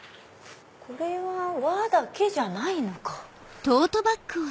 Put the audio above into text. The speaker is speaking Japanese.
これは和だけじゃないのか。